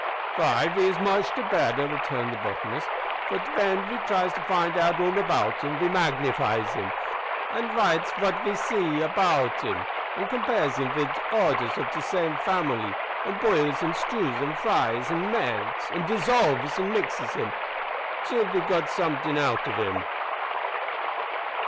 "Vy, ve is moche de better," returned the botanist, "for den ve tries to find out all about him. Ve magnifies him, an' writes vat ve zee about him, an' compares him vid oders of de same family, an' boils, an' stews, an' fries, an' melts, an' dissolves, an' mixes him, till ve gits somet'ing out of him."